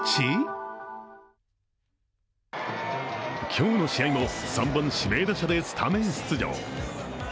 今日の試合も３番指名打者でスタメン出場。